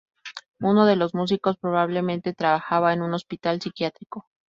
Uno de los músicos probablemente trabajaba en un hospital psiquiátrico.